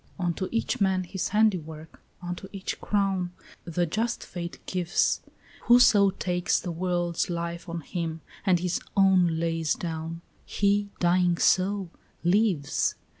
"Unto each man his handiwork, unto each his crown, The just Fate gives; Whoso takes the world's life on him and his own lays down, He, dying so, lives.